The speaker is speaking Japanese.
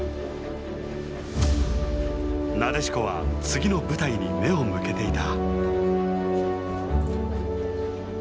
なでしこは次の舞台に目を向けていた。